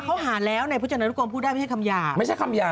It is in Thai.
เขาหาแล้วในพฤจาณธุกรรมพูดได้ไม่ใช่คำยา